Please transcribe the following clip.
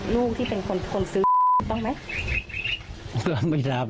ลูกที่เป็นคนซึ้อต้องไหม